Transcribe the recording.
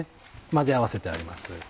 混ぜ合わせてあります。